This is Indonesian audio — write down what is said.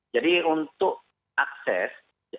jadi untuk akses